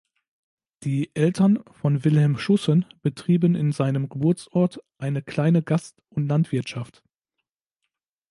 Die Eltern von Wilhelm Schussen betrieben in seinem Geburtsort eine kleine Gast- und Landwirtschaft.